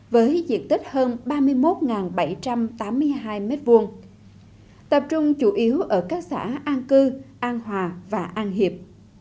với diện tích hơn ba mươi một bảy trăm tám mươi hai m hai tập trung chủ yếu ở các xã an cư an hòa và an hiệp